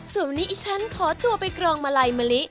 ส่วนวันนี้ดิฉันขอตัวไปกรองมาลัยมะลิ